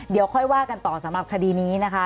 เดี๋ยวค่อยว่ากันต่อสำหรับคดีนี้นะคะ